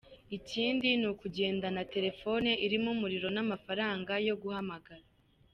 Ikindi ni ukugendana telefone irimo umuriro n’amafaranga yo guhamagara.